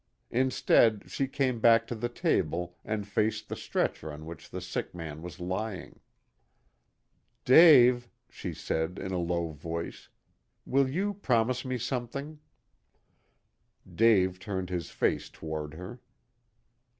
Instead she came back to the table and faced the stretcher on which the sick man was lying. "Dave," she said, in a low voice, "will you promise me something?" Dave turned his face toward her.